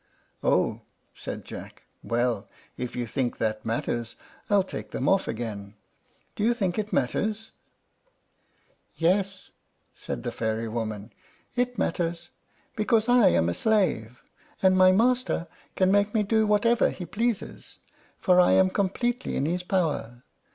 "Oh!" said Jack. "Well, if you think that matters, I'll take them off again. Do you think it matters?" "Yes," said the fairy woman; "it matters, because I am a slave, and my master can make me do whatever he pleases, for I am completely in his power.